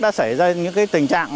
đã xảy ra những cái tình trạng